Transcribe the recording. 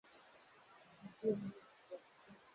wakiwa na mbwa kamera na kifaa vya kunasa sauti